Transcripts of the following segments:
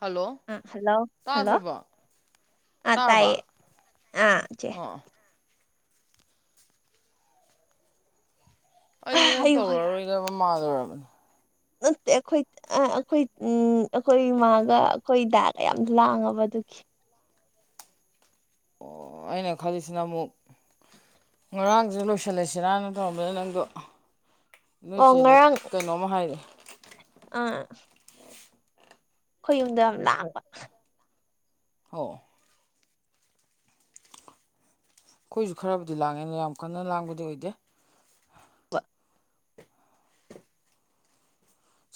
Hello ꯎꯝ hello hello ꯇꯥꯗ꯭ꯔꯕꯣ ꯑ ꯇꯥꯏꯌꯦ ꯇꯥꯔꯕ ꯑ ꯆꯦ꯫ ꯑꯣ ꯑꯩ ꯅꯪ ꯑꯌꯨ ꯇꯧꯔꯛꯑꯔꯣꯏꯕ ꯃꯥꯜꯂꯨꯔꯕꯅꯦ ꯅꯦꯈꯣꯏ ꯑ ꯑꯩꯈꯣꯏ ꯎꯝ ꯑꯩꯈꯣꯏ ꯏꯃꯥꯒ ꯑꯩꯈꯣꯏ ꯗꯥꯒ ꯌꯥꯝ ꯂꯥꯡꯉꯕ ꯑꯗꯨꯒꯤ ꯑꯣ ꯑꯩꯅ ꯈꯜꯂꯤꯁꯤꯅ ꯑꯃꯨꯛ꯫ ꯉꯔꯥꯡꯖꯨ ꯂꯣꯏꯁꯤꯜꯂꯖꯤꯔꯅ ꯇꯧꯔꯝꯕꯗꯨꯗ ꯅꯪꯗꯣ ꯑꯣ ꯅꯣꯏꯁꯦꯅ ꯀꯩꯅꯣꯝꯃ ꯍꯥꯏꯔꯦ ꯑ ꯑꯩꯈꯣꯏ ꯌꯨꯝꯗꯣ ꯌꯥꯝ ꯂꯥꯡꯕ꯫ [inaudible] ꯑꯩꯈꯣꯏꯁꯨ ꯈꯔꯕꯨꯗꯤ ꯂꯥꯡꯉꯦ ꯌꯥꯝ ꯀꯟꯅ ꯂꯥꯡꯕꯗꯤ ꯑꯣꯏꯗꯦ꯫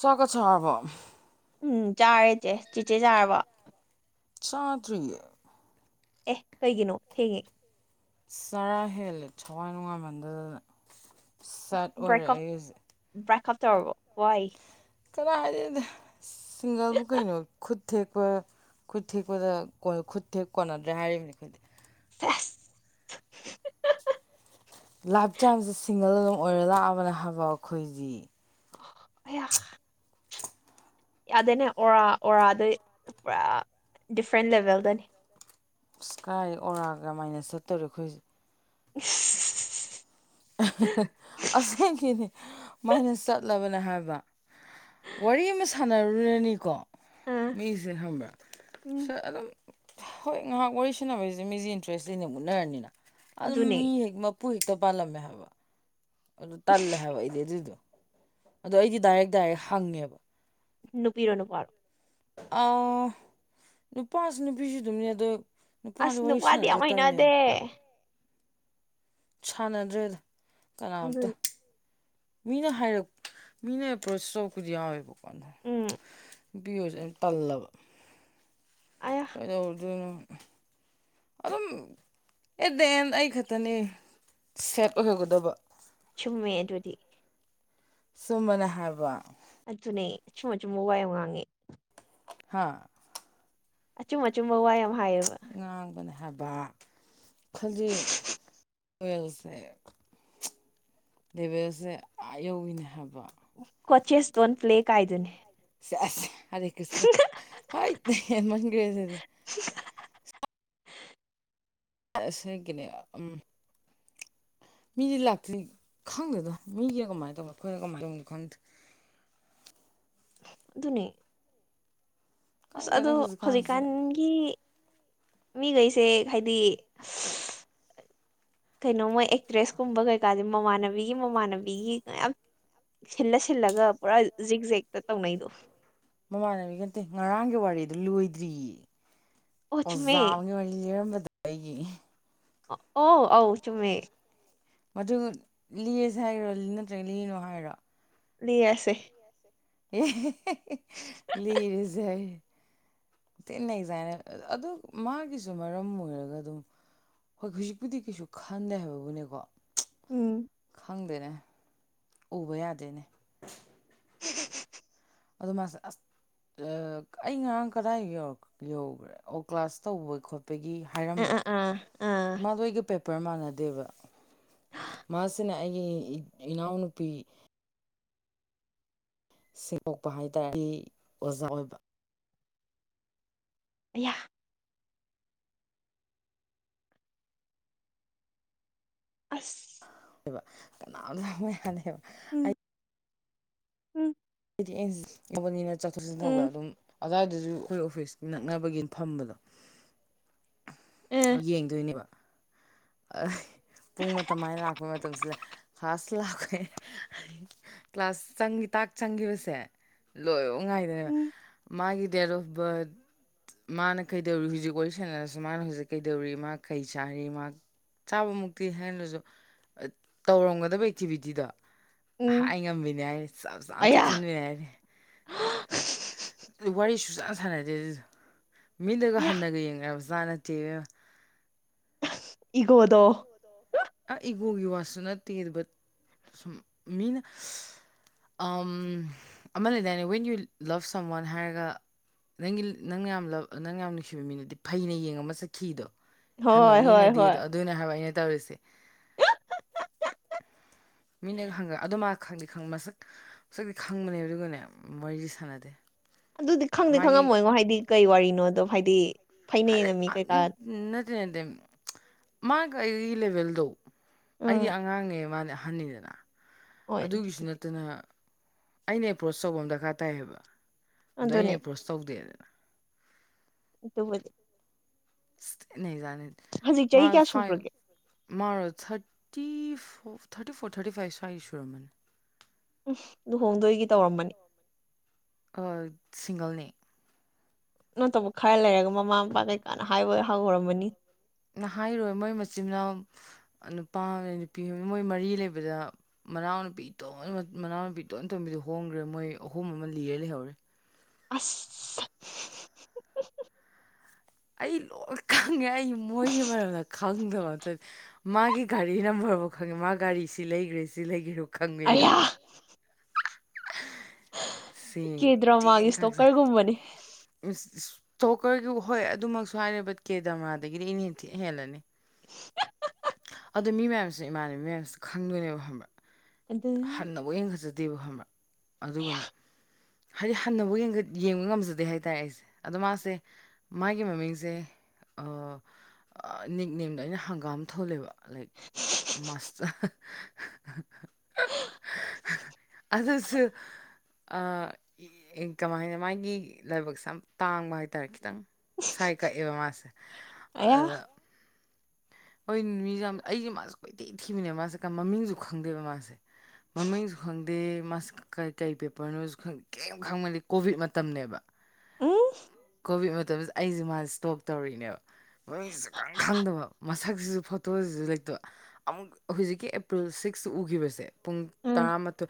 ꯆꯥꯛꯀ ꯆꯥꯔꯕꯣ꯫ ꯎꯝ ꯆꯥꯔꯦꯆꯦ ꯆꯦꯆꯦ ꯆꯥꯔꯕꯣ꯫ ꯆꯥꯇ꯭ ꯑꯦ ꯀꯩꯒꯤꯅꯣ ꯊꯦꯡꯉꯦ꯫ ꯆꯔꯥ ꯍꯦꯜꯂꯦ ꯊꯋꯥꯏ ꯅꯨꯡꯉꯥꯏꯃꯟꯗꯗꯅ꯫ ꯁꯦꯠ ꯑꯣꯏꯔꯦ ꯕ꯭ꯔꯦꯛꯀꯞ ꯑꯩ ꯍꯧꯖꯤꯛ ꯕ꯭ꯔꯦꯛꯀꯞ ꯇꯧꯔꯕꯣ ꯋꯥꯏ ꯀꯗꯥꯏꯗꯩꯅꯣꯗ ꯁꯤꯡꯒꯜꯕꯨ ꯀꯩꯅꯣ ꯈꯨꯠ ꯈꯨꯠ ꯊꯦꯛꯄ ꯈꯨꯠ ꯊꯦꯛꯄꯗ ꯈꯨꯠ ꯊꯦꯛ ꯀꯣꯟꯅꯗ꯭ꯔꯦ ꯍꯥꯏꯔꯤꯕꯅꯤ ꯑꯩꯈꯣꯏꯗꯤ ꯑ ꯂꯥꯏꯞ ꯇꯥꯏꯝꯖꯦ ꯁꯤꯡꯒꯜ ꯑꯗꯨꯝ ꯑꯣꯏꯔ ꯂꯥꯛꯑꯕꯅꯦ ꯍꯥꯏꯕ ꯑꯩꯈꯣꯏꯗꯤ꯫ ꯍ ꯌꯥꯗꯅꯦ ꯑꯣꯔꯥ ꯑꯣꯔꯥꯗ ꯄꯨꯔꯥ ꯗꯤꯐ꯭ꯔꯦꯟ ꯂꯦꯕꯦꯜꯗꯅꯤ ꯏꯁꯀꯥꯏ ꯑꯣꯔꯥ ꯀꯃꯥꯏꯅ ꯆꯠꯇꯧꯔꯣ ꯑꯩꯈꯣꯏꯁꯦ ꯏꯁ꯫ ꯑꯁꯦꯡꯒꯤꯅꯦ ꯃꯥꯏꯅꯁ ꯆꯠꯂꯕꯅꯦ ꯍꯥꯏꯕ꯫ ꯋꯥꯔꯤ ꯑꯃ ꯁꯥꯟꯅꯔꯨꯔꯅꯤꯀꯣ ꯑꯥ ꯃꯤꯁꯦ ꯈꯪꯕ꯭ꯔꯥ ꯎꯝ ꯁ ꯑꯗꯨꯝ ꯍꯣꯏ ꯉꯥꯏꯍꯥꯛ ꯋꯥꯔꯤ ꯁꯥꯟꯅꯕꯁꯦ ꯃꯤꯁꯤꯦ ꯏꯟꯇꯔꯦꯁꯇꯤꯅꯦ ꯃꯨꯠꯅꯔꯅꯤꯅ ꯑꯗꯨꯝ ꯑꯗꯨꯅꯦ ꯃꯤ ꯍꯦꯛ ꯄꯨꯨꯏꯣ ꯄꯜꯂꯝꯃꯦ ꯑꯗꯨ ꯇꯜꯂꯦ ꯍꯥꯏꯕ ꯑꯩꯗꯤ ꯑꯗꯨꯏꯗꯣ ꯑꯗꯣ ꯑꯩꯗꯤ ꯗꯥꯏꯔꯦꯛ ꯗꯥꯏꯔꯦꯛ ꯍꯪꯉꯦꯕ꯫ ꯅꯨꯄꯤꯔꯣ ꯅꯨꯄꯥꯔꯣ꯫ ꯑ ꯅꯨꯄꯥꯁꯨ ꯅꯨꯄꯤꯁꯨ ꯑꯗꯨꯝꯅꯤ ꯑꯗꯣ ꯅꯨꯄꯥꯗ ꯑꯁ ꯋꯥꯔꯤ ꯅꯨꯄꯥꯗꯤ ꯌꯥꯝ ꯁꯅꯕꯁꯦ ꯍꯩꯅꯗꯦ ꯇꯜꯂꯦꯅ ꯁꯥꯟꯅꯗ꯭ꯔꯦꯗ ꯑꯗꯨ ꯀꯅꯥꯝꯇ꯫ ꯃꯤꯅ ꯍꯥꯏꯔꯛ ꯃꯤꯅ ꯑꯦꯄ꯭ꯔꯣꯁ ꯇꯧꯕꯄꯗꯤ ꯌꯥꯎꯋꯦꯕꯀꯣꯟꯗ ꯎꯝ ꯅꯨꯄꯤ ꯑꯣꯏꯁꯦ ꯌꯥꯝ ꯇꯜꯂꯕ ꯑꯌꯥ ꯀꯩꯗꯧꯗꯣꯏꯅꯣ ꯑꯗꯨꯝ ꯑꯦꯠ ꯗ ꯑꯦꯟ ꯑꯩ ꯈꯛꯇꯅꯦ ꯁꯦꯞ ꯑꯣꯏꯍꯧꯒꯗꯕ꯫ ꯆꯨꯝꯃꯦ ꯑꯗꯨꯗꯤ ꯁꯨꯝꯕꯅ ꯍꯥꯏꯕ ꯑꯗꯨꯅꯦ ꯑꯆꯨꯝ ꯑꯆꯨꯝꯕ ꯋꯥꯏ ꯉꯥꯡꯉꯦ ꯍꯥꯥ ꯑꯆꯨꯝ ꯑꯆꯨꯝꯕ ꯋꯥ ꯌꯥꯝ ꯍꯥꯏꯌꯦꯕ ꯉꯥꯡꯕꯅꯦ ꯍꯥꯏꯕ ꯈꯖꯤꯛ ꯑꯣꯏꯜꯁꯦ ꯂꯦꯕꯦꯜꯁꯦ ꯑꯥ ꯌꯧꯋꯤꯅꯦ ꯍꯥꯏꯕ꯫ ꯀꯣꯆꯦꯁ ꯗꯣꯟ ꯄ꯭ꯂꯦ ꯀꯥꯏꯗꯨꯅꯦ꯫ ꯁꯦꯁ ꯍꯔꯦ ꯀ꯭ꯔꯤꯁꯅ ꯍꯥꯏ ꯍꯦꯟꯃꯟꯈꯔꯦ ꯑꯗꯨꯗꯤ [unintelligible] ꯑꯁꯦꯡꯀꯤꯅꯦ ꯎꯝ ꯃꯤꯗꯤ ꯂꯥꯛꯇ꯭ꯔꯤ ꯈꯪꯗꯦꯗ ꯃꯤꯒꯤꯅ ꯀꯃꯥꯏꯅ ꯇꯧꯕꯅꯣ ꯑꯩꯈꯣꯏꯅ ꯀꯃꯥꯏꯅ ꯇꯧꯅꯣ ꯈꯪꯗꯦ ꯑꯗꯨꯅꯤ ꯑꯁ ꯈꯪꯗꯦꯗ ꯑꯗꯣ ꯍꯧꯖꯤꯛꯀꯥꯟꯁꯦ ꯍꯧꯖꯤꯛꯀꯥꯟꯒꯤ ꯃꯤꯒꯩꯁꯦ ꯍꯥꯏꯗꯤ ꯀꯩꯅꯣ ꯃꯣꯏ ꯑꯦꯛ ꯇ꯭ꯔꯦꯁ ꯀꯨꯝꯕ ꯀꯩꯀꯥꯥꯖꯦ ꯃꯃꯥꯟꯅꯕꯤꯒꯤ ꯃꯃꯥꯟꯅꯕꯤꯒꯤ ꯃꯌꯥꯝ ꯁꯤꯜꯂ ꯁꯤꯜꯂꯒ ꯄꯨꯔꯥ ꯖꯤꯛ ꯖꯦꯛꯇ ꯇꯧꯅꯩꯗꯣ ꯃꯃꯥꯟꯅꯕꯤ ꯈꯇꯦ ꯉꯔꯥꯡꯒꯤ ꯋꯥꯔꯤꯗ ꯂꯣꯏꯗ꯭ꯔꯤꯌꯦ ꯑꯣ ꯆꯨꯝꯃꯦ ꯑꯣꯖꯥꯑꯝꯒꯤ ꯋꯥꯔꯤ ꯂꯤꯔꯝꯕꯗꯣ ꯑꯩꯒꯤ꯫ ꯑꯣ ꯑꯧ ꯆꯨꯝꯃꯦ꯫ ꯃꯗꯨ ꯂꯤꯁꯦ ꯍꯥꯏꯔꯣ ꯅꯠꯇ꯭ꯔꯒ ꯂꯤꯅꯣ ꯍꯥꯏꯔꯣ ꯂꯤꯔꯁꯦ [unintelligible] ꯂꯤꯔꯖꯦ ꯍꯥꯏꯅꯤ ꯊꯤ ꯅꯩꯖꯥꯅꯤ ꯑꯗꯨ ꯃꯥꯒꯤꯖꯨ ꯃꯔꯝ ꯑꯣꯏꯔꯒ ꯑꯗꯨꯝ ꯍꯣꯏ ꯍꯧꯖꯤꯛꯄꯨꯗꯤ ꯀꯩꯁꯨ ꯈꯟꯗꯦ ꯍꯥꯏꯕꯕꯨꯅꯦꯀꯣ ꯎꯝ ꯈꯪꯗꯦꯅꯦ ꯎꯕ ꯌꯥꯗꯦꯅꯦ [unintelligible] ꯑꯗꯨ ꯃꯥꯁꯦ ꯑꯁ ꯑ ꯑꯩ ꯉꯔꯥꯡ ꯀꯗꯥꯏ ꯌꯧ ꯌꯧꯒꯔꯦ ꯑꯣ ꯀ꯭ꯂꯥꯁ ꯇꯧꯕ ꯈꯣꯠꯄꯒꯤ ꯑꯥ ꯍꯥꯏꯔꯝꯕ꯭ꯔꯥ ꯑꯥ ꯑꯥ ꯑꯥ ꯃꯥꯗꯣ ꯑꯩꯒ ꯄꯦꯞꯄꯔ ꯃꯥꯟꯅꯗꯦꯕ ꯃꯥꯁꯤꯅ ꯑꯩꯒꯤ ꯏꯅꯥꯎꯅꯨꯄꯤ [unintelligible] ꯑꯣꯖꯥ ꯑꯣꯏꯕ ꯑꯌꯥ꯫ ꯑꯁ꯫ ꯕ ꯀꯅꯥꯝ ꯆꯪꯉꯣ ꯌꯥꯗꯦꯕ ꯎꯝ ꯎꯝ ꯍꯥꯏꯗꯤ [unintelligible] ꯎꯝ ꯑꯗꯨꯝ ꯑꯗꯨꯋꯥꯏꯗꯁꯨ ꯑꯩꯈꯣꯏ ꯑꯣꯐꯤꯁꯀꯤ ꯅꯛꯅꯕꯒꯤꯅ ꯐꯝꯕꯗꯣ ꯑꯦ ꯌꯦꯡꯗꯣꯏꯅꯦꯕ ꯑ ꯍꯩ ꯄꯨꯡ ꯃꯇꯝꯥꯏꯅ ꯂꯥꯛꯄꯩ ꯃꯇꯝꯁꯨ ꯂꯩ ꯐꯥꯁ ꯂꯥꯛꯄꯩ ꯀ꯭ꯂꯥꯁ ꯆꯪꯉꯤ ꯇꯥꯛ ꯆꯪꯈꯤꯕꯁꯦ ꯂꯣꯏꯕꯧ ꯉꯥꯏꯗꯣꯏꯕ ꯎꯝ ꯃꯥꯒꯤ ꯗꯦꯠ ꯑꯣꯐ ꯕꯥꯔꯠ ꯃꯥꯅ ꯀꯩꯗꯧꯔꯤ ꯍꯧꯖꯤꯛ ꯋꯥꯔꯤ ꯁꯥꯟꯅꯔꯁꯨ ꯃꯥꯅ ꯍꯧꯖꯤꯛ ꯀꯩꯗꯧꯔꯤ ꯃꯥ ꯀꯩ ꯆꯥꯔꯤ ꯃꯥ ꯆꯥꯕꯃꯨꯛꯇꯤ ꯍꯥꯏꯗ꯭ꯔꯁꯨ ꯇꯧꯔꯝꯒꯗꯕ ꯑꯦꯛꯇꯤꯚꯤꯇꯤꯗꯣ ꯎꯝ ꯍꯥꯏ ꯉꯝꯕꯤꯅꯦ ꯍꯥꯏ ꯆꯞ ꯆꯥꯅ ꯑꯌꯥ ꯅꯦ ꯍꯥꯏꯔꯤ ꯑꯗꯨ ꯋꯥꯔꯤꯁꯨꯆꯥꯟ ꯁꯥꯟꯅꯗꯦ ꯑꯗꯨꯗꯣ ꯃꯤꯠꯅꯒ ꯑꯌꯥ ꯍꯟꯅꯒ ꯌꯦꯡꯕꯖꯥ ꯅꯠꯇꯦ ꯏꯕꯦꯝ ꯏꯒꯣꯗꯣ ꯑ ꯏꯒꯣꯒꯤ ꯋꯥꯁꯁꯨ ꯅꯠꯇꯦ ꯕꯠ ꯁꯨꯝ ꯃꯤꯅ ꯑꯃ ꯂꯩꯗꯥꯏꯅꯤ ꯋꯦꯟ ꯌꯨ ꯂꯞ ꯁꯝ ꯋꯥꯟ ꯍꯥꯏꯔꯒ ꯅꯪꯒꯤ ꯅꯪ ꯌꯥꯝ ꯅꯪ ꯌꯥꯝ ꯅꯨꯡꯁꯤꯕ ꯃꯤꯗꯨꯗꯤ ꯐꯩꯅ ꯌꯦꯡꯉꯃ ꯆꯠꯈꯤꯗꯣ ꯍꯣꯏ ꯍꯟꯗꯕꯨꯨꯛ ꯍꯣꯏ ꯍꯣꯏ ꯌꯦꯡꯅꯗꯦꯗꯣ ꯑꯗꯨꯅꯦ ꯍꯥꯏꯕ ꯑꯩꯅ ꯇꯧꯔꯤꯁꯦ ꯃꯤꯅꯒ ꯍꯪꯉ ꯑꯗꯣ ꯃꯥ ꯈꯪꯗꯦꯪ ꯃꯁꯛ ꯃꯁꯛꯇꯤ ꯈꯪꯕꯅꯦꯕ ꯑꯗꯨꯒꯅꯦ ꯋꯥꯔꯤꯗꯤ ꯁꯥꯟꯅꯗꯦ ꯑꯗꯨꯗꯤ ꯈꯪꯗꯤ ꯃꯥꯒꯤ ꯈꯪꯉꯝꯃꯣꯏꯅꯣ ꯍꯥꯏꯗꯤ ꯀꯩ ꯋꯥꯔꯤꯅꯣ ꯑꯗꯣ ꯍꯥꯏꯗꯤ ꯐꯩꯅ ꯌꯦꯡꯉꯝꯃꯤ ꯀꯩꯀꯥ [unintelligible] ꯅꯠꯇꯦ ꯅꯠꯇꯦ ꯃꯥꯒ ꯑꯩꯒꯒꯤ ꯂꯦꯚꯦꯜꯗꯣ ꯑꯩꯗꯤ ꯎꯝ ꯑꯉꯥꯡꯅꯦ ꯃꯥꯗꯤ ꯑꯍꯟꯅꯤꯗꯅ ꯍꯣꯏ ꯑꯗꯨꯒꯤꯁꯨ ꯑꯗꯨꯕꯨꯗꯤ ꯅꯠꯇꯅ ꯑꯩꯅ ꯑꯦꯄ꯭ꯔꯣꯁ ꯇꯧꯕ ꯑꯃ ꯗꯔꯀꯥꯔ ꯇꯥꯏꯌꯦꯕ ꯑꯗꯣ ꯑꯩꯅ ꯑꯗꯨꯅꯦ ꯑꯦꯄ꯭ꯔꯣꯁ ꯇꯧꯗꯦꯗꯅ ꯑꯗꯨꯕꯨꯗꯤ ꯏꯁ ꯊꯤꯅꯅꯩꯖꯥꯠꯅꯤ ꯍꯧꯖꯤꯛ ꯃꯥ ꯆꯍꯤ ꯀꯌꯥ ꯐꯥꯏꯞ ꯁꯨꯈ꯭ꯔꯒꯦ ꯃꯥꯔꯣ thirty four thirty four thirty five ꯁ꯭ꯋꯥꯏ ꯁꯨꯔꯝꯃꯅꯤ ꯂꯨꯍꯣꯡꯗꯣꯏꯒꯤ ꯇꯧꯔꯝꯃꯅꯤ ꯑꯥ ꯁꯤꯡꯒꯜꯅꯦ ꯅꯠꯇꯕ ꯈꯔ ꯂꯩꯔꯒ ꯃꯃꯥ ꯃꯄꯥ ꯀꯩꯀꯥꯅ ꯍꯥꯏꯕ ꯍꯧꯔꯝꯃꯅꯤ ꯅꯍꯥꯏꯔꯣꯏ ꯃꯣꯏ ꯃꯆꯤꯟꯃꯅꯥꯎ ꯅꯨꯄꯥ ꯅꯨꯄꯤ ꯑꯃ ꯃꯣꯏ ꯃꯔꯤ ꯂꯩꯕꯗ ꯃꯅꯥꯎꯅꯨꯄꯤ‌ ꯏꯇꫭꯟ ꯃꯅꯥꯎꯅ ꯅꯨꯄꯤ ꯇꫭꯟꯕꯤꯗꫭ ꯍꯣꯡꯒ꯭ꫪꯦ ꯃꯣꯏ ꯑꯍꯨꯝ ꯑꯃ ꯂꯤꯔ ꯂꯩꯍꯧꯔꯦ ꯑꯁ ꯑꯩ ꯂꯣꯏ ꯈꯪꯉꯦ ꯑꯩ ꯃꯣꯏꯒꯤ ꯃꯔꯝꯗ ꯈꯪꯗꯕ ꯑꯗꯨꯏ ꯃꯥꯒꯤ ꯒꯥꯔꯤ ꯅꯝꯕꯔꯐꯥꯎ ꯈꯪꯉꯦ ꯃꯥ ꯒꯥꯔꯤ ꯁꯤ ꯂꯩꯒꯔꯦ ꯁꯤ ꯂꯩꯒꯔꯦ ꯈꯪꯕꯤꯅꯦ ꯑꯌꯥ ꯁꯤ ꯀꯦꯗ꯭ꯔꯃꯥꯒꯤ ꯇꯦꯟ ꯈꯛ ꯏꯁꯇꯣꯀꯔꯒꯨꯝꯕꯅꯤ ꯏꯁꯇꯣꯀꯔꯒꯤ ꯍꯣꯏ ꯑꯗꯨꯃꯛꯁꯨ ꯍꯥꯏꯔꯤ ꯕꯠ ꯀꯦ ꯗꯃꯥꯗꯒꯤꯗꯤ ꯏ ꯍꯦꯜꯂꯅꯤ ꯑꯗꯣ ꯃꯤ ꯃꯌꯥꯝꯁꯤꯅ ꯏꯃꯥꯟꯅꯕꯤ ꯃꯌꯥꯝꯁꯤ ꯈꯪꯗꯣꯏꯅꯦꯕ ꯈꯪꯕ꯭ꯔꯥ ꯑꯗꯨ ꯅꯕꯨꯛ [unintelligible] ꯈꯪꯕ꯭ꯔꯥ ꯑꯗꯨꯒꯅꯦ ꯍꯥꯏꯗꯤ ꯍꯟꯅꯕꯨ ꯌꯦꯡꯕ ꯉꯝꯖꯗꯦ ꯍꯥꯏꯇꯥꯔꯦ ꯑꯩꯁꯦ ꯑꯗꯣ ꯃꯥꯁꯦ ꯃꯥꯒꯤ ꯃꯃꯤꯡꯁꯦ ꯅꯤꯛ ꯅꯦꯝꯅꯗꫭ ꯑꯩꯅ ꯍꯪꯒꯥꯝ ꯊꯣꯜꯂꯦꯕ ꯂꯥꯏꯛ ꯃꯥꯁꯇꯔ ꯑꯗꯨꯁꯨ ꯑꯥ ꯀꯃꯥꯏꯅ ꯃꯥꯒꯤ ꯂꯥꯏꯕꯛꯁꯦ ꯌꯥꯝ ꯇꯥꯡꯕ ꯍꯥꯏꯇꯥꯔꯦ ꯈꯤꯇꯪ ꯁꯏ ꯀꯛꯑꯦꯕ ꯃꯥꯁꯦ ꯑꯌꯥ ꯍꫭꯏ ꯃꯤꯖꯦ ꯌꯥꯝ ꯑꯩꯁꯦ ꯃꯥꯁꯦ ꯀꯣꯏꯊ ꯊꯤꯕꯅꯦꯕ ꯃꯥꯁꯦ ꯀ ꯃꯃꯤꯡꯁꯨ ꯈꯪꯗꯦꯕ ꯃꯥꯁꯦ ꯃꯃꯤꯡꯁꯨ ꯈꯪꯗꯦ ꯃꯁꯛ ꯀꯩ ꯀꯔꯤ ꯄꯦꯄꯔꯅꯣꯖꯨ ꯈꯪꯗꯦ ꯀꯩꯝ ꯈꯪꯕꯂꯤ ꯀꯣꯚꯤꯗ ꯃꯇꯝꯅꯦꯕ ꯎꯝ ꯀꯣꯚꯤꯠ ꯃꯇꯝꯗ ꯑꯩꯁꯦ ꯃꯥꯁ ꯁ꯭ꯇꯣꯛ ꯇꯧꯔꯤꯛꯅꯦꯕ ꯃꯃꯤꯡꯁꯨ ꯈꯪ ꯈꯪꯗꯕ ꯃꯁꯛꯁꯤꯁꯨ ꯐꯣꯇꯣꯖꯤꯁꯨ ꯂꯩꯇꯕ ꯑꯃꯨꯛ ꯍꯧꯖꯤꯛꯀꯤ ꯑꯦꯄ꯭ꯔꯤꯜ ꯁꯤꯛꯁꯇ ꯎꯒꯤꯕꯁꯦ ꯄꯨꯡ ꯎꯝ ꯇꯔꯥꯃꯊꯣꯏ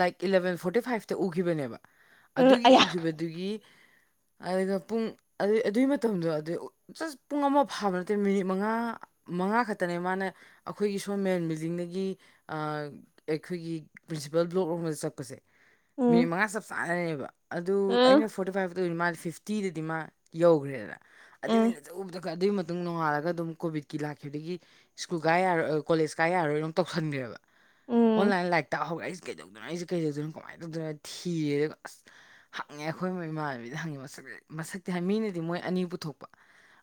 ꯂꯥꯏꯛ ꯏꯂꯕꯦꯟ ꯐꯣꯔꯇꯤ ꯐꯥꯏꯚꯇ ꯎꯒꯤꯕꯅꯦꯕ ꯑꯗꯨꯒꯤ ꯑꯌꯥ ꯎꯈꯤꯕꯗꯨꯒꯤ ꯑꯗꯨꯒ ꯄꯨꯡ ꯑꯗꯨ ꯑꯗꯨꯒꯤ ꯃꯇꯝꯗꯣ ꯑꯗꯨꯩ ꯖꯁ ꯄꯨꯡ ꯑꯃ ꯐꯥꯕ ꯅꯠꯇꯦ ꯃꯤꯅꯤꯠ ꯃꯉꯥ ꯃꯉꯥ ꯈꯛꯇꯅꯦ ꯃꯥꯅ ꯑꯩꯈꯣꯏꯒꯤ ꯁꯣꯝ ꯃꯦꯟ ꯕꯤꯜꯗꯤꯡꯗꯒꯤ ꯑꯩꯈꯣꯏꯒꯤ ꯄ꯭ꯔꯤꯟꯁꯤꯄꯥꯜ ꯕ꯭ꯂꯣꯛ ꯔꯣꯝꯗ ꯆꯠꯄꯖꯦ ꯃꯤꯅꯤꯠ ꯎꯝ ꯃꯉꯥ ꯆꯞ ꯆꯥꯟꯅꯦꯕ ꯑꯗꯨ ꯎꯝ ꯑꯩꯅ ꯐꯣꯔꯇꯤ ꯐꯥꯏꯚ ꯇꯧꯅꯤ ꯃꯥꯗꯤ ꯐꯤꯐ ꯇꯤꯗꯗꯤ ꯃꯥ ꯌꯧꯈꯒꯔꯦꯗ ꯑꯗꯨꯏꯃꯤꯅꯠ ꯎꯕꯗ ꯑꯗꯨꯒꯤ ꯃꯇꯨꯡ ꯅꯣꯡꯉꯥꯜꯂꯒ ꯑꯗꯨꯝ ꯀꯣꯕꯤꯠꯀꯤ ꯂꯥꯛꯈꯤꯕꯗꯒꯤ ꯁ꯭ꯀꯨꯜ ꯀꯥ ꯌꯥꯔꯣꯏ ꯀꯣꯂꯦꯖ ꯀꯥ ꯌꯥꯔꯣꯏꯅ ꯑꯃꯨꯛ ꯇꯧꯁꯟꯒ꯭ꫪꯦꯕ ꯎꯝ ꯑꯣꯟꯂꯥꯏꯟ ꯂꯥꯏꯔꯤꯛ ꯇꯥꯍꯧꯒꯔꯦ ꯑꯩꯖꯦ ꯀꯩꯗꯧꯗꯣꯏꯅꯣ ꯑꯩꯖꯦ ꯀꯩꯗꯧꯗꯣꯏꯅꯣ ꯀꯃꯥꯏꯅ ꯇꯧꯗꯣꯏꯅꯣ ꯊꯤꯔꯦ ꯗꯨꯒ ꯑꯁ ꯍꯪꯉꯦ ꯑꯩꯈꯣꯏ ꯏꯃꯥꯟꯅꯕꯤꯗ ꯍꯪꯉꯦ ꯃꯁꯛꯁꯦ ꯃꯁꯛꯇꯤ ꯍꯥꯏ ꯃꯤꯅꯗꯤ ꯃꯣꯏ ꯑꯅꯤ ꯄꯨꯊꯣꯛꯄ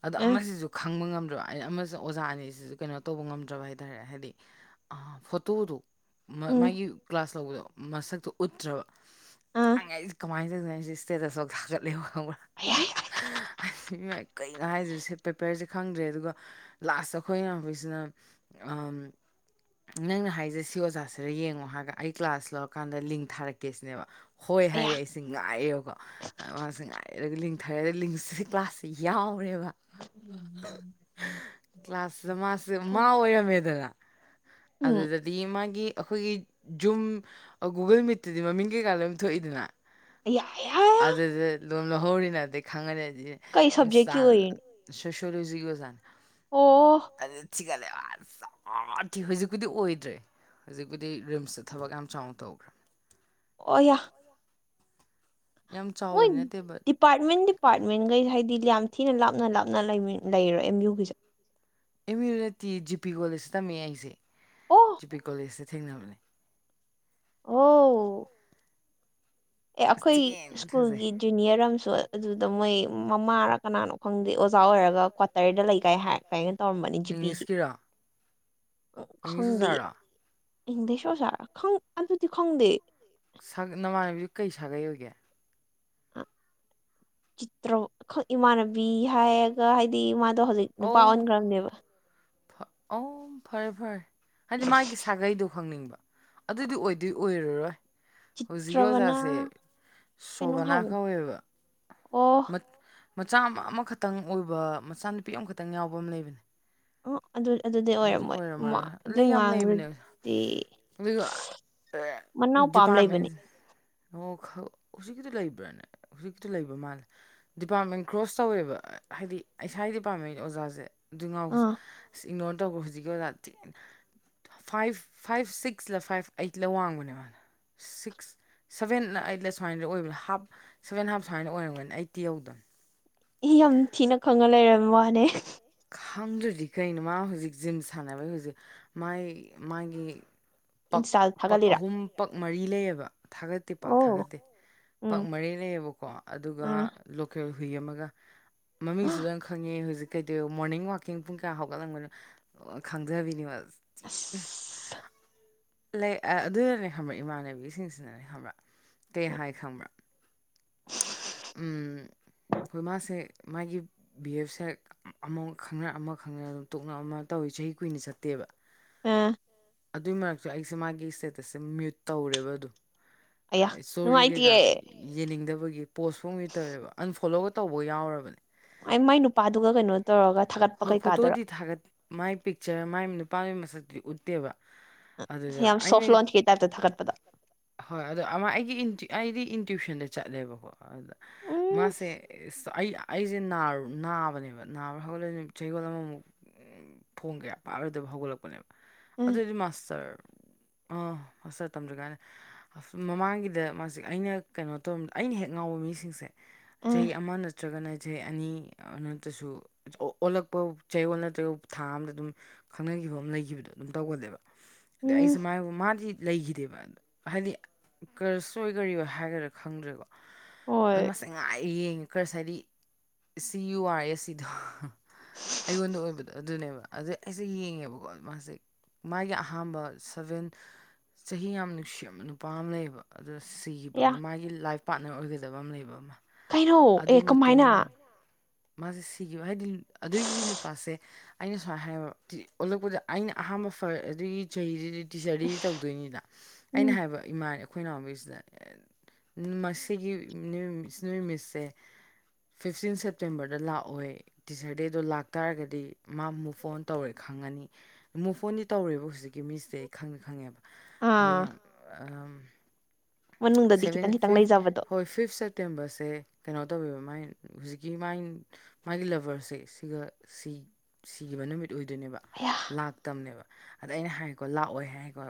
ꯑꯗꯣ ꯑꯌꯥ ꯑꯃꯖꯤꯖꯨ ꯈꯪꯕ ꯉꯝꯗ ꯑꯃꯁ ꯑꯣꯖꯥ ꯑꯅꯤꯁꯤꯁꯨ ꯀꯩꯅꯣ ꯇꯧꯕ ꯉꯝꯗ꯭ꯔꯕ ꯍꯥꯏꯇꯥꯔꯦ ꯍꯥꯏꯗꯤ ꯐꯣꯇꯣꯗꯨ ꯃꯥꯒꯤ ꯀ꯭ꯂꯥꯁ ꯂꯧꯕꯗꯣ ꯃꯁꯛꯇꯣ ꯎꯠꯇ꯭ꯔꯕ ꯆꯪꯉꯦ ꯑꯩꯁ ꯀꯃꯥꯏꯅ ꯇꯧꯗꯅꯣ ꯑꯩꯖꯦ ꯏꯁꯇꯦꯁꯇꯁ ꯐꯥꯎ ꯊꯥꯒꯠꯂꯦ ꯈꯪꯕꯔ ꯑꯥ ꯌꯥ ꯥ [unintelligible] ꯀꯩꯅ ꯍꯥꯏꯗꯣꯏꯁꯦ ꯄꯦꯄꯔꯁꯦ ꯈꯪꯗ꯭ꯔꯦ ꯑꯗꯨꯒ ꯂꯥꯁꯇ ꯑꯩꯈꯣꯏ ꯏꯅꯥꯎꯄꯤꯁꯤꯅ ꯅꯪꯅ ꯍꯥꯏꯖꯦ ꯁꯤ ꯑꯣꯖꯥꯁꯤꫪ ꯌꯦꯡꯉꯣ ꯍꯥꯏꯔꯒ ꯑꯩ ꯀ꯭ꯂꯥꯁ ꯂꯧꯔꯀꯥꯟꯗ ꯂꯤꯡ ꯊꯥꯔꯛꯀꯦꯁꯤꯅꯦꯕ ꯍꯣꯏ ꯑꯌꯥ ꯍꯥꯏꫪꯦ ꯑꯩꯁꯦ ꯉꯥꯏꫪꯦꯕꯀꯣ ꯃꯥꯁꯦ ꯉꯥꯏ ꯂꯤꯡ ꯊꯥꯔꯦ ꯑꯗ ꯂꯤꯡꯁꯤ ꯀ꯭ꯂꯥꯁꯁꯦ ꯌꯥꯎꯔꯦꯕ [inaudible] ꯀ꯭ꯂꯥꯁꯁꯤꯗ ꯃꯥꯁꯦ ꯃꯥ ꯑꯣꯏꯔꯝꯃꯦꯗꯅ ꯎꯝ ꯑꯗꯨꯗ ꯑꯗꯒꯤ ꯃꯥꯒꯤ ꯑꯩꯈꯣꯏꯒꯤ ꯖꯨꯝ ꯒꯨꯒꯜ ꯃꯤꯠꯇꯗꯤ ꯃꯃꯤꯡ ꯀꯩꯀꯥ ꯂꯣꯏ ꯊꯣꯛꯏꯗꯅ ꯌꯥ ꯑꯗꯨꯗ ꯑꯗꯨꯝ ꯂꯧꯍꯧꯔꯤꯅꯗꯤ ꯈꯪꯉꯅꯤ ꯍꯥꯏꯗꯤ ꯀꯩ ꯁꯕꯖꯦꯛꯀꯤ ꯏꯟꯁꯇꯥ ꯑꯣꯏꯔꯤꯅꯣ ꯁꯣꯁꯤꯌꯣꯂꯣꯖꯤꯒꯤ ꯑꯣꯖꯥꯅ ꯑꯣ ꯑꯗꯨ ꯊꯤꯒꯠꯂꯦ ꯑꯁꯤ ꯍꯧꯖꯤꯛꯄꯨꯗꯤ ꯑꯣꯏꯗ꯭ꯔꯦ ꯍꯧꯖꯤꯛꯄꯨꯗꯤ ꯔꯤꯝꯁꯇ ꯊꯕꯛ ꯌꯥꯝ ꯆꯥꯎꯅ ꯇꯧꯈ꯭ꯔꯦ ꯑꯣ ꯌꯥꯝ ꯌꯥꯝ ꯃꯣꯏ ꯆꯥꯎꯕꯗꯤ ꯅꯠꯇꯦꯕ ꯗꯤꯄꯥꯔꯠꯃꯦꯟ ꯗꯤꯄꯥꯔꯠꯃꯦꯟꯒꯩ ꯍꯥꯏꯗꯤ ꯌꯥꯝ ꯊꯤꯅ ꯂꯥꯞꯅ ꯂꯥꯞꯅ ꯂꯩꯔꯣ ꯑꯦꯝ ꯌꯨꯒꯤꯁꯦ ꯑꯦꯝ ꯌ ꯔꯠꯇꯤ ꯖꯤꯄꯤ ꯀꯣꯂꯦꯖꯇ ꯇꯝꯃꯦ ꯑꯩꯁꯦ ꯑꯣ ꯖꯤꯄꯤ ꯀꯣꯂꯦꯖꯇ ꯊꯦꯡꯅꯕꯅꯦ ꯑꯣ ꯑꯦ ꯑꯁ ꯑꯩꯈꯣꯏ ꯊꯤꯅ ꯐꯖꯩ ꯁ꯭ꯀꯨꯜꯒꯤ ꯖꯨꯅꯤꯌꯔ ꯑꯃꯁꯨ ꯑꯗꯨꯗ ꯃꯣꯏ ꯃꯃꯥꯔ ꯀꯅꯥꯅꯣ ꯈꯪꯗꯦ ꯑꯣꯖꯥ ꯑꯣꯏꯔꯒ ꯀ꯭ꯋꯥꯇꯔꯗ ꯂꯩ ꯀꯥꯏ ꯍꯥꯏ ꯀꯥꯏꯅ ꯇꯧꯔꯃꯅꯤ ꯖꯤꯄꯤꯒꯤ ꯏꯪꯂꯤꯁꯀꯤꯔꯣ ꯏꯪꯂꯤꯁ ꯈꯪꯗꯦ ꯑꯣꯖꯥꯔꯣ ꯏꯪꯂꯤꯁ ꯑꯣꯖꯥ ꯈꯪ ꯑꯗꯨꯗꯤ ꯈꯪꯗꯦ ꯁꯥ ꯅꯃꯥꯟꯅꯕꯤꯗꯨ ꯀꯩ ꯁꯥꯒꯩ ꯑꯣꯏꯒꯦ ꯑ ꯆꯤꯇ꯭ꯔ ꯏꯃꯥꯟꯅꯕꯤ ꯍꯥꯏꯔꯒ ꯍꯥꯏꯗꯤ ꯃꯥꯗꯣ ꯍꯧꯖꯤꯛ ꯅꯨꯄꯥ ꯑꯣꯟꯈ꯭ꯔꯕꯅꯦꯕ ꯑ ꯐꯔꯦ ꯐꯔꯦ ꯍꯥꯏꯗꯤ ꯃꯥꯒꯤ ꯁꯥꯒꯩꯗꯣ ꯈꯪꯅꯤꯡꯕ ꯑꯗꯨꯏꯗꯤ ꯑꯣꯏꯗꯣꯏ ꯑꯣꯏꯔꯔꯣꯏ ꯍꯧꯖꯤꯛꯀꯤ ꯆꯤꯇ꯭ꯔꯕꯅ ꯑꯣꯖꯥꯁꯦ ꯀꯩꯅꯣꯝ ꯁꯣꯕꯅꯥ ꯍꯥꯏꯕꯅꯦ ꯀꯧꯋꯦꯕ ꯑꯣ ꯃꯠ ꯃꯆꯥ ꯑꯃ ꯑꯃꯈꯛꯇꯪ ꯑꯣꯏꯕ ꯃꯆꯥ ꯅꯨꯨꯄꯤ ꯑꯃꯈꯛꯇꯪ ꯌꯥꯎꯕ ꯑꯃ ꯂꯩꯕꯅꯦ ꯎꯝ ꯑꯗꯨ ꯑꯗꯨꯗꯤ ꯑꯗꯨꯁꯨ ꯑꯣꯏꯔꯝꯃꯣꯏ ꯃ ꯑꯣꯏꯔꯝꯃꯔꯣꯏ ꯑꯗꯨꯏ ꯂꯩ ꯌꯥꯝ ꯂꯩꯕꯅꯦ ꯉꯥꯡꯗꯨꯗꯤ ꯑꯗꯨꯒ ꯃꯅꯥꯎ ꯄꯥꯝ ꯗꯤꯄꯥꯔꯠꯃꯦꯟ ꯂꯩꯕꯅꯤ ꯑꯣ ꯍꯧꯖꯤꯛꯀꯤ ꯂꯩꯕ꯭ꯔꯥꯅꯦ ꯍꯧꯖꯤꯛꯀꯤ ꯂꯩꯕ ꯃꯥꯜꯂꯦ ꯗꯤꯄꯥꯔꯠꯃꯦꯟ ꯀ꯭ꯔꯣꯁ ꯇꯧꯋꯦꯕ ꯍꯥꯏꯗꯤ ꯏꯁꯥ ꯗꯤꯄꯥꯔꯠꯃꯦꯟꯒꯤ ꯑꯣꯖꯥꯁꯦ ꯑꯗꯨ ꯉꯥꯎ ꯑꯥ ꯑ ꯏꯒꯅꯣꯔ ꯇꯧꯈ꯭ꯔꯦ ꯍꯧꯖꯤꯛꯀꯤ ꯑꯣꯏꯅ ꯊꯤ ꯐꯥꯏꯚ ꯐꯥꯏꯚ ꯁꯤꯛꯁꯂ ꯐꯥꯏꯚ ꯑꯩꯠꯂ ꯋꯥꯡꯕꯅꯦ ꯃꯥꯅ ꯁꯤꯛꯁ ꯁꯕꯦꯟ ꯑꯩꯠꯂ ꯁꯨꯃꯥꯏꯅ ꯑꯣꯏꯕꯥ ꯍꯥꯞ ꯁꯕꯦꯟ ꯍꯥꯞ ꯁꯨꯃꯥꯏꯅ ꯑꯣꯏꯔꯝꯒꯅꯤꯅ ꯑꯩꯠꯇꯤ ꯌꯧꯗꯣꯏꯅꯦ ꯑꯩ ꯌꯥꯝ ꯊꯤꯅ ꯈꯪꯉ ꯂꯩꯔꯝꯃꯤ ꯋꯥꯅꯦ ꯈꯪꯗ꯭ꯔꯗꯤꯈꯩ ꯅꯃꯥ ꯍꯧꯖꯤꯛ ꯖꯤꯝ ꯁꯥꯟ ꯍꯧꯖꯤꯛ ꯃꯥꯥꯏ ꯃꯥꯒꯤ ꯄꯛ ꯏꯟꯁꯇꯥꯗ ꯄꯛ ꯊꯥꯒꯠꯂꯤꯔꯥ ꯑꯍꯨꯝ ꯄꯛ ꯃꯔꯤ ꯂꯩꯌꯦꯕ꯫ ꯊꯥꯒꯠꯇꯦ ꯄꯥꯛ ꯑꯣ ꯊꯥꯒꯠꯇꯦ ꯄꯥꯛ ꯎꯝ ꯃꯔꯤ ꯂꯩꯌꯦꯕꯀꯣ ꯑꯗꯨꯒ ꯑꯥ ꯂꯣꯀꯦꯜ ꯍꯨꯏ ꯑꯃꯒ ꯃꯃꯤꯡꯁꯨꯗ ꯈꯪꯉꯦ ꯍꯧꯖꯤ ꯑꯗꯨ ꯃꯣꯔꯅꯤꯡ ꯋꯥꯛꯀꯤꯡ ꯄꯨꯡ ꯀꯌꯥ ꯍꯧꯒꯠꯂꯝꯕꯅꯣ ꯈꯪꯖꯕꯤꯅꯤꯕ ꯑꯁ ꯑꯁ ꯂꯩ ꯑꯗꯨꯅꯅꯦ ꯈꯪꯕ꯭ꯔꯥ ꯏꯃꯥꯟꯅꯕꯤꯁꯤꯡꯁꯤꯅꯅꯦ ꯈꯪꯕ꯭ꯔꯥ ꯀꯩ ꯍꯥꯏ ꯈꯪꯕ꯭ꯔꯥ ꯑꯩꯈꯣꯏ ꯃꯥꯁꯦ ꯃꯥꯒꯤ ꯕꯤ ꯑꯦꯐ ꯁꯥꯏꯠ ꯑꯃ ꯈꯪꯅ ꯑꯃ ꯈꯪꯅ ꯑꯗꯨ ꯇꯣꯛꯅ ꯑꯃ ꯇꯧꯋꯤ ꯆꯍꯤ ꯀꯨꯏꯅ ꯆꯠꯇꯦꯕ ꯑ ꯑꯗꯨꯏ ꯃꯔꯛꯇ ꯑꯩꯁꯦ ꯃꯥꯒꯤ ꯏꯁꯇꯦꯇꯁꯁꯦ ꯃ꯭ꯌꯨꯠ ꯇꯧꯔꯦꯕ ꯑꯗꯨꯗꯣ ꯑꯌꯥ ꯅꯨꯡꯉꯥꯏꯇꯤꯌꯦ ꯌꯦꯡꯅꯤꯡꯗꯕꯒꯤ ꯄꯣꯁꯐꯥꯎꯗꯤ ꯇꯧꯋꯦꯕ ꯑꯟꯐꯣꯂꯣꯒ ꯇꯧꯕ ꯌꯥꯎꯔꯕꯅꯦ ꯑꯩ ꯃꯥꯏ ꯅꯨꯄꯥꯗꯨꯒ ꯀꯩꯅꯣ ꯇꯧꯔꯒ ꯊꯥꯒꯠꯄ ꯀꯩꯀꯥꯗꯨꯔꯥ ꯊꯒꯠ ꯃꯥꯏ ꯄꯤꯛꯆꯔ ꯃꯥꯏ ꯅꯨꯄꯥꯒꯤ ꯃꯁꯛꯇꯤ ꯎꯠꯇꯦꯕ ꯑ ꯑꯗꯨꯗ ꯌꯥꯝ ꯑꯩꯅ ꯁꯣꯐ ꯂꯣꯟꯆꯀꯤ ꯇꯥꯏꯞꯇ ꯊꯥꯒꯠꯄꯗꯣ ꯍꯣꯏ ꯑꯗꯣ ꯑꯃ ꯑꯩꯒꯤ ꯑꯩꯗꯤ ꯏꯟꯇ꯭ꯋꯨꯁꯟꯗ ꯆꯠꯂꯦꯕꯀꯣ ꯑꯗ ꯎꯝ ꯃꯥꯁꯦ ꯑꯩ ꯑꯩꯁꯦ ꯅꯥꯕꯅꯦꯕ ꯅꯥꯕ꯭ꯔꯥ ꯍꯧꯒꯠꯂꯅꯤ ꯆꯌꯣꯜ ꯑꯃꯃꯨꯛ ꯐꯣꯡ ꯀꯌꯥ ꯄꯥꯔꯣꯏꯗꯕ ꯍꯧꯒꯠꯂꯛꯄꯅꯦꯕ ꯎꯝ ꯑꯗꯨꯑꯣꯏꯗꯤ ꯃꯥꯁꯇꯔ ꯑꯥ ꯃꯥꯁꯇꯔ ꯇꯝꯗ꯭ꯔꯤꯀꯥꯟꯗ ꯃꯃꯥꯡꯒꯤꯗ ꯃꯥꯁ ꯑꯩꯅ ꯀꯩꯅꯣ ꯇꯧꯔ ꯑꯩꯅ ꯍꯦꯛ ꯉꯥꯎꯕ ꯃꯤꯁꯤꯡꯁꯦ ꯎꯝ ꯆꯍꯤ ꯑꯃ ꯅꯠꯇ꯭ꯔꯒꯅ ꯆꯍꯤ ꯑꯅꯤ ꯅꯠꯇ꯭ꯔꯁꯨ ꯑꯣ ꯑꯣꯜꯂꯛꯄ ꯆꯌꯣꯜ ꯅꯠꯇ꯭ꯔꯒ ꯊꯥ ꯑꯗ ꯑꯗꯨꯝ ꯈꯪꯅꯈꯤꯕ ꯑꯃ ꯂꯩꯈꯤꯕꯗꯣ ꯑꯗꯨꯝ ꯇꯧꯒꯗꯦꯕ ꯎꯝ ꯑꯩꯁꯨꯃ ꯃꯥꯗꯤ ꯂꯩꯈꯤꯗꯦꯕ ꯑꯗꯣ ꯍꯥꯏꯗꯤ ꯀꯁꯨ ꯑꯣꯏ ꯀꯔꯤ ꯑꯣꯏ ꯍꯥꯏꯒꯦꯔꯥ ꯈꯪꯗ꯭ꯔꯦꯕ ꯑꯗꯨ ꯍꯣꯏ ꯃꯁꯦ ꯉꯥꯏ ꯌꯦꯡꯉꯦ ꯈꯔꯁ ꯍꯥꯏꯗꯤ ꯁꯤ ꯌꯨ ꯑꯥꯔ ꯑꯦ ꯁꯤꯗꯣ ꯑꯩꯉꯣꯟꯗ ꯑꯣꯏꯕꯗꯣ ꯑꯗꯨꯅꯦꯕ ꯑꯗ ꯑꯩꯁꯦ ꯌꯦꯡꯉꯦꯕꯀꯣ ꯃꯥꯁꯦ ꯃꯥꯒꯤ ꯑꯍꯥꯟꯕ ꯁꯚꯦꯟ ꯆꯍꯤ ꯌꯥꯝ ꯅꯨꯡꯁꯤꯠ ꯑꯃ ꯅꯨꯄꯥ ꯑꯃ ꯂꯩꯌꯦꯕ ꯑꯗꯣ ꯁꯤꯈꯤꯕ ꯑꯃ ꯌꯥ ꯃꯥꯒꯤ ꯂꯥꯏꯐ ꯄꯥꯔꯠꯅꯔ ꯑꯣꯏꯒꯗꯕ ꯑꯃ ꯂꯩꯕ ꯑꯃ ꯀꯩꯅꯣ ꯑꯦ ꯑꯗꯨꯒꯤ ꯀꯃꯥꯏꯅ ꯃꯇꯨꯡ ꯃꯥꯁꯦ ꯁꯤꯈꯤꯕ ꯍꯥꯏꯗꯤ ꯑꯗꯨꯒꯤ ꯅꯨꯄꯥꯁꯦ ꯑꯩꯅ ꯁꯨꯃꯥꯏ ꯍꯥꯏꯌꯦꯕ ꯑꯣꯜꯂꯛꯄꯗ ꯑꯩꯅ ꯑꯍꯥꯟꯕ ꯐ ꯑꯗꯨꯗꯒꯤ ꯆꯍꯤꯁꯤꯗꯤ ꯇꯤꯆꯔꯗꯤꯗꯤ ꯇꯧꯗꯣꯏꯅꯤꯗ ꯑꯩꯅ ꯎꯝ ꯍꯥꯏꯕ ꯏꯃꯥ ꯑꯩꯈꯣꯏ ꯏ ꯅꯥꯎꯃꯤꯁꯤꯗ ꯃꯁꯤꯒꯤ ꯅꯨ꯭ꯌꯃꯤꯁꯁꯦ ꯐꯤꯐꯇꯤꯟ ꯁꯦꯞꯇꯦꯝꯕꯔꯗ ꯂꯥꯛꯑꯣꯏ ꯇꯤꯆꯔ ꯗꯦꯗꯣ ꯂꯥꯛꯇꯥꯔꯒꯗꯤ ꯃꯥ ꯑꯃꯨꯛ ꯐꯣꯟ ꯇꯧꯔꯦ ꯈꯪꯉꯅꯤ ꯃꯣꯏꯛ ꯐꯣꯟꯗꯤ ꯇꯧꯔꯦꯕ ꯍꯧꯖꯤꯛꯀꯤ ꯃꯤꯁꯤꯗꯤ ꯑꯩ ꯈꯪꯅ ꯈꯪꯉꯦꯕ ꯑꯗꯨ ꯑꯥ ꯌꯥꯝ ꯃꯅꯨꯡꯗꯗꯤ ꯁꯚ ꯈꯤꯇꯪ ꯈꯤꯇꯪ ꯐꯤꯐ ꯂꯩꯖꯕꯗꯣ ꯍꯣꯏ ꯐꯤꯐ ꯁꯠ ꯇꯦꯝꯕꯁꯦ ꯀꯩꯅꯣ ꯇꯧꯋꯦꯕ ꯃꯥꯏ ꯍꯧꯖꯤꯛꯀꯤ ꯃꯥꯏ ꯃꯥꯒꯤ ꯂꯚꯔꯁꯦ ꯁꯤꯒ ꯁꯤꯈꯤꯕ ꯅꯨꯃꯤꯠ ꯑꯣꯏꯗꯣꯏꯅꯦꯕ ꯑꯌꯥ ꯂꯥꯛꯇꯕꯅꯦꯕ ꯑꯗ ꯑꯩꯅ ꯍꯥꯏꯀꯣ ꯂꯥꯛꯑꯣꯏ ꯍꯥꯏꯀꯣ